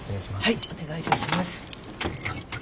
はいお願いいたします。